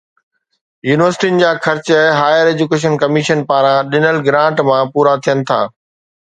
يونيورسٽين جا خرچ هائير ايجوڪيشن ڪميشن پاران ڏنل گرانٽ مان پورا ٿين ٿا.